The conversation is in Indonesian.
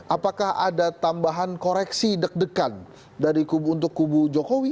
apakah ada tambahan koreksi deg degan untuk kubu jokowi